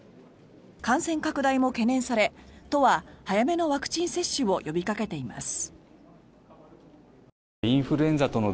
感染拡大も懸念され都は早めのワクチン接種を呼びかけています。